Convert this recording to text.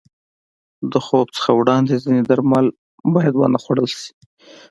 د خوب نه وړاندې ځینې درمل نه باید وخوړل شي.